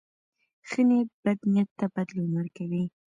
ښه نیت بد نیت ته بدلون ورکوي.